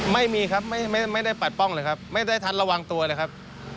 ไม่มีครับไม่ได้ปัดป้องเลยครับไม่ได้ทัดระวังตัวเลยครับ